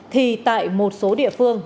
thì tại một số địa phương